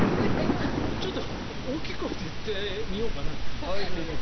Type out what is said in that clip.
ちょっと大きい声で言ってみようかなという。